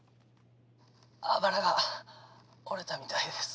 あばらが折れたみたいです。